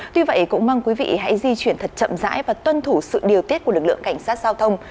tuy vậy cũng mong quý vị hãy di chuyển thật chậm rãi và tuân thủ sự điều tiết của lực lượng cảnh sát giao thông